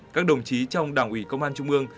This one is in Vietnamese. các đồng chí trong đảng ủy công an trung ương